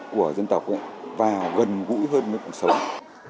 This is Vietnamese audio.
của dân tộc và gần gũi hơn với cuộc sống